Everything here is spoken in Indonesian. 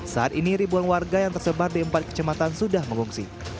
saat ini ribuan warga yang tersebar di empat kecematan sudah mengungsi